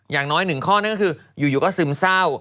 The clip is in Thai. อย่างน้อยหนึ่งข้อนั่นก็คืออยู่ก็ซึมเศร้า